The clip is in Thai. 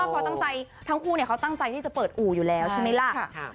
พอตั้งใจทั้งคู่เนี้ยเขาตั้งใจที่จะเปิดอู่อยู่แล้วใช่ไหมล่ะใช่ค่ะค่ะ